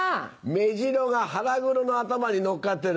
メジロが腹黒の頭に乗っかってる。